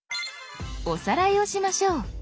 おさらいをしましょう。